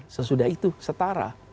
sesudah itu setara